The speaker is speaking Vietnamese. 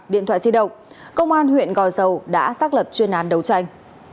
điện thoại di động công an huyện gò dầu đã xác lập chuyên án đấu tranh